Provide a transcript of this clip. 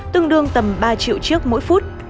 tương đương tầm ba triệu chiếc mỗi phút